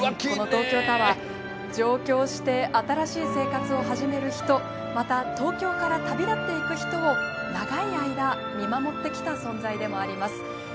この東京タワー、上京して新しい生活を始める人また東京から旅立っていく人を長い間、見守ってきた存在でもあります。